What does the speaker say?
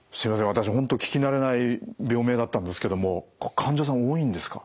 私本当聞き慣れない病名だったんですけども患者さん多いんですか？